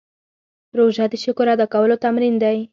روژه د شکر ادا کولو تمرین دی.